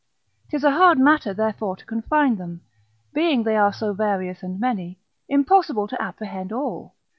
'Tis a hard matter therefore to confine them, being they are so various and many, impossible to apprehend all.